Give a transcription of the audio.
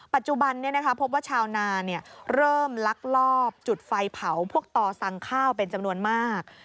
ปัจจุบันพบว่าชาวนาเริ่มลักลอบจุดไฟเผาพวกต่อสั่งข้าวเป็นจำนวนมาก